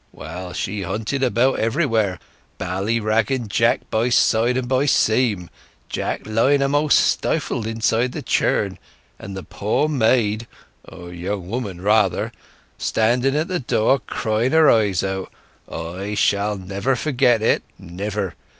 Well, she hunted about everywhere, ballyragging Jack by side and by seam, Jack lying a'most stifled inside the churn, and the poor maid—or young woman rather—standing at the door crying her eyes out. I shall never forget it, never!